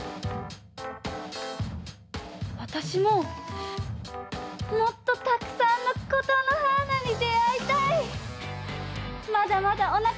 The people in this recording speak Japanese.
わたしももっとたくさんの「ことのはーな」にであいたい！